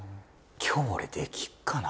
今日俺できるかな？